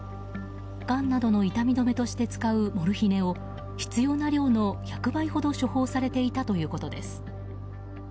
がんなどの痛み止めとして使うモルヒネを必要な量の１００倍ほど処方されていたということです。